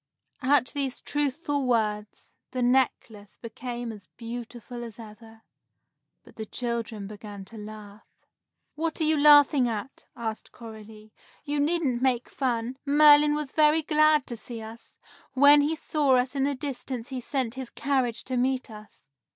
At these truthful words, the necklace became as beautiful as ever. But the children began to laugh. "What are you laughing at?" asked Coralie. "You needn't make fun. Merlin was very glad to see us. When he saw us in the distance he sent his carriage to meet us.